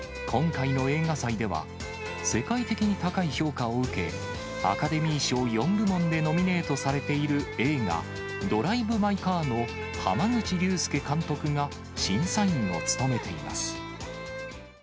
今回の映画祭では、世界的に高い評価を受け、アカデミー賞４部門でノミネートされている映画、ドライブ・マイ・カーの濱口竜介監督が審査員を務めています。